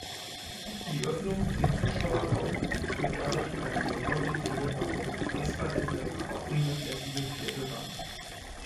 Die Öffnung zum Zuschauerraum wird dadurch eine genau definierbare transparente, aber undurchlässige Vierte Wand.